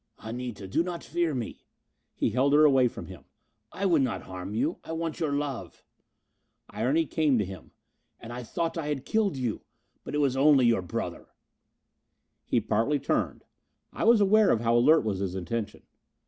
"Anita, do not fear me." He held her away from him. "I would not harm you. I want your love." Irony came to him. "And I thought I had killed you! But it was only your brother." He partly turned. I was aware of how alert was his attention.